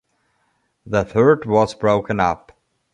The third was broken up.